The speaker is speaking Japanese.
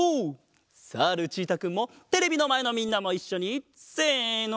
さあルチータくんもテレビのまえのみんなもいっしょにせの。